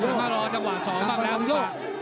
น้ำมะรอจังหวะ๒บ้างน้ำมะ